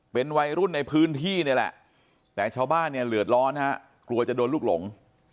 เป็นวัยรุ่นในพื้นที่นี่แหละแต่ชาวบ้านเนี่ยเหลือดร้อนฮะกลัวจะโดนลูกหลง